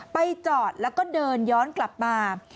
ไปจอดแล้วก็เดินย้อนกลับมา